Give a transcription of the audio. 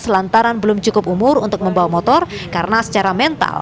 selantaran belum cukup umur untuk membawa motor karena secara mental